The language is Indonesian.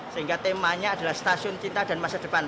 sehingga temanya adalah stasiun cinta dan masa depan